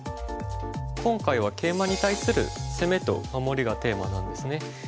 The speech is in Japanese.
今回はケイマに対する攻めと守りがテーマなんですね。